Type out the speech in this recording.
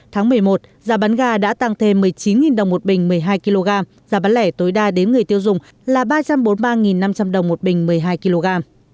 tháng một mươi một giá bán ga đã tăng thêm một mươi chín đồng một bình một mươi hai kg giá bán lẻ tối đa đến người tiêu dùng là ba trăm bốn mươi ba năm trăm linh đồng một bình một mươi hai kg